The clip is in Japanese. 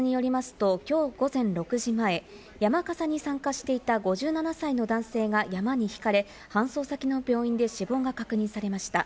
警察によりますと、きょう午前６時前、山笠に参加していた５７歳の男性が山笠にひかれ、搬送先の病院で死亡が確認されました。